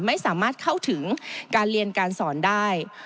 ไม่สามารถเข้าถึงการเรียนการสอนได้